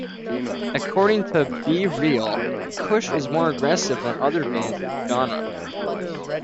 According to B-Real, Kush is more aggressive than other bands in the genre.